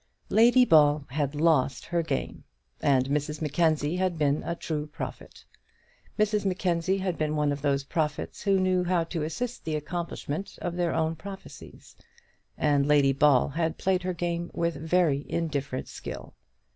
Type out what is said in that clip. Lady Ball had lost her game, and Mrs Mackenzie had been a true prophet. Mrs Mackenzie had been one of those prophets who knew how to assist the accomplishment of their own prophecies, and Lady Ball had played her game with very indifferent skill.